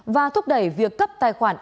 và thúc đẩy việc cấp tài khoản